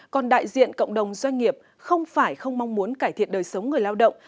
còn đại diện cộng đồng doanh nghiệp không phải không mong muốn cải thiện đời sống người lao động